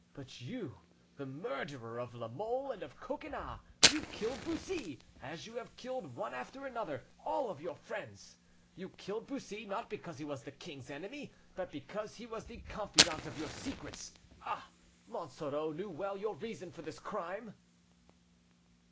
But you, the murderer of La Mole and of Coconnas, you killed Bussy, as you have killed, one after another, all your friends. You killed Bussy, not because he was the king's enemy, but because he was the confidant of your secrets. Ah! Monsoreau knew well your reason for this crime."